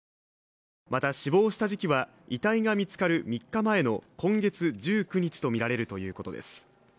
また、死亡した時期は遺体が見つかる３日前の今月１９日とみられるということです。